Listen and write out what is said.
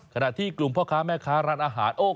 ขณะที่กลุ่มพ่อค้าแม่ค้าร้านอาหาร